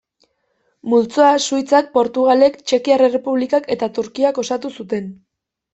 Multzoa Suitzak, Portugalek, Txekiar Errepublikak eta Turkiak osatu zuten.